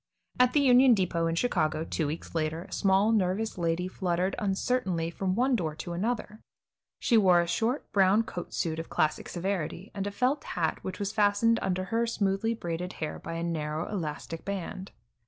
At the Union Depot in Chicago, two weeks later, a small, nervous lady fluttered uncertainly from one door to another. She wore a short, brown coat suit of classic severity, and a felt hat which was fastened under her smoothly braided hair by a narrow elastic band.